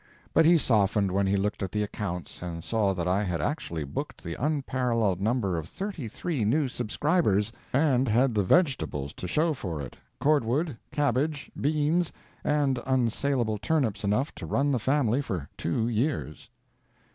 But he softened when he looked at the accounts and saw that I had actually booked the unparalleled number of thirty three new subscribers, and had the vegetables to show for it, cordwood, cabbage, beans, and unsalable turnips enough to run the family for two years!